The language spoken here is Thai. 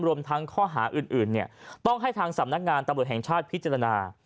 รวมทั้งข้อหาอื่นต้องให้ทางสำนักงานตำรวจแห่งชาติพิจารณา